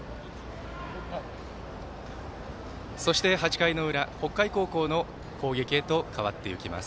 そして、８回の裏北海高校の攻撃へと変わっていきます。